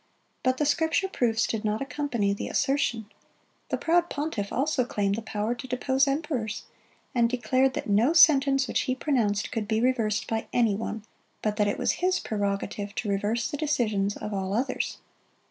But the Scripture proofs did not accompany the assertion. The proud pontiff also claimed the power to depose emperors, and declared that no sentence which he pronounced could be reversed by any one, but that it was his prerogative to reverse the decisions of all others.